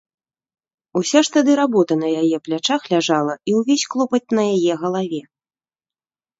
Уся ж тады работа на яе плячах ляжала і ўвесь клопат на яе галаве.